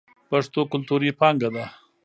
پښتو کلتوري پانګه ده.